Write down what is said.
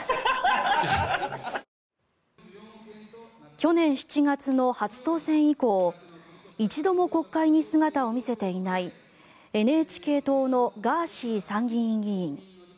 去年７月の初当選以降１度も国会に姿を見せていないＮＨＫ党のガーシー参議院議員。